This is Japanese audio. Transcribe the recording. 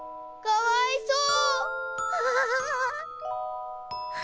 かわいそう！